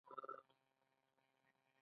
ژوند مې هم تر دې ور ها خوا پیسې نه را کوي